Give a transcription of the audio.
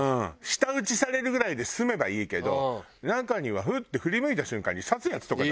舌打ちされるぐらいで済めばいいけど中にはフッて振り向いた瞬間に刺すヤツとか。